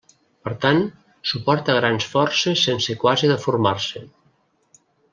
Per tant suporta grans forces sense quasi deformar-se.